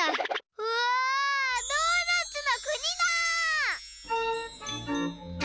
うわドーナツのくにだ！